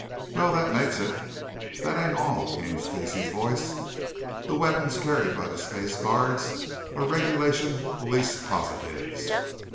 "Well, that makes it " "That ain't all," came Stacey's voice. "The weapons carried by the Spaceport guards are regulation Police Positives.